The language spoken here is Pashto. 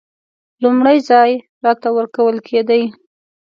لومړی ځای راته ورکول کېدی.